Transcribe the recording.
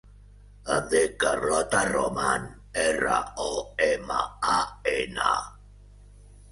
Em dic Carlota Roman: erra, o, ema, a, ena.